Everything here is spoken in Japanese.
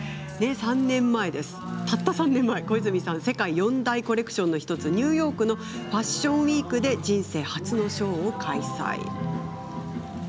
３年前、小泉さんは世界４大コレクションの１つニューヨークのファッションウイークで人生初のショーを開催。